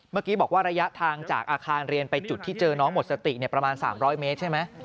เมื่อกี้บอกว่าระยะทางจากอาคารเรียนไปจุดที่เจอน้องหมดสติประมาณ๓๐๐เมตรใช่ไหม